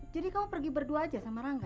jadi kamu pergi berdua aja sama rangga